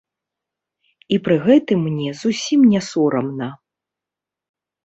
І пры гэтым мне зусім не сорамна.